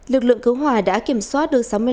lực lượng cứu hỏa đã kiểm soát được sáu mươi năm